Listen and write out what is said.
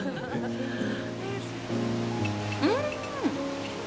うん！